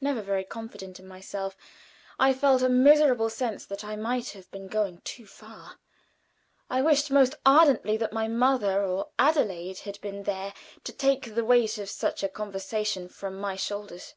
Never very confident in myself, I felt a miserable sense that I might have been going too far. I wished most ardently that my mother or Adelaide had been there to take the weight of such a conversation from my shoulders.